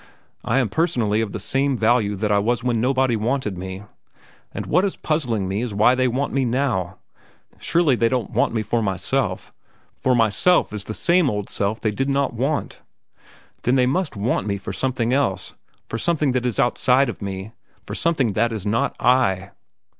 I am personally of the same value that I was when nobody wanted me. And what is puzzling me is why they want me now. Surely they don't want me for myself, for myself is the same old self they did not want. Then they must want me for something else, for something that is outside of me, for something that is not I!